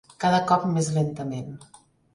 Cada cop més lentament.